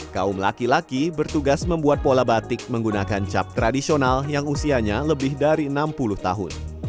kaum laki laki bertugas membuat pola batik menggunakan cap tradisional yang usianya lebih dari enam puluh tahun